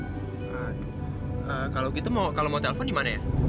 eh kalau gitu kalau mau telfon di mana ya